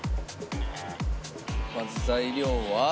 まず材料は。